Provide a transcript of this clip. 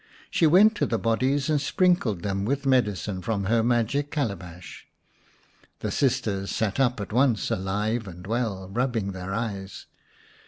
She went to the bodies and sprinkled them with medicine from her magic calabash. 189 The Fairy Frog The sisters sat up at once, alive and* well, rubbing their eyes.